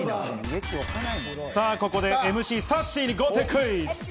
さあ、ここでＭＣさっしーに豪邸クイズ！